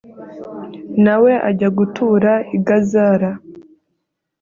na we ajya gutura i gazara